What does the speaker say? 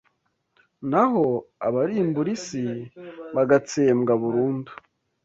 naho abarimbura isi bagatsembwa burundu.’